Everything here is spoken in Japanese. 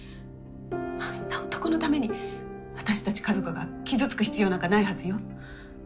あんな男のために私たち家族が傷つく必要なんかないはずよ。